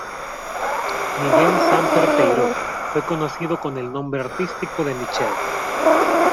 Miguel Samper Peiró fue conocido con el nombre artístico de Michel.